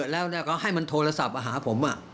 แล้วก็ให้มันโทรศัพท์มาหาผม